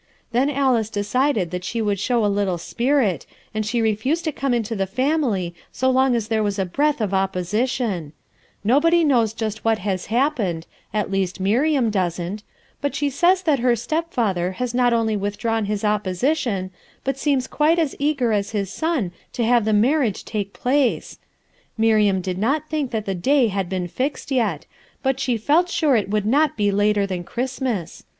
Then Alice decided that she would show a little spirit, and she refused to come into the family so long as there was a breath of opposi tion, Nobody knows just what has happened, at least Miriam doesn't; but she says that her stepfather has not only withdrawn his opposi tion, but seems quite as eager as Ins son to have the marriage take place. Miriam did not think that the day had been fixed yet, but she felt g(j RUTH ERSKINE'S SON sure it. would be not later than Christmas.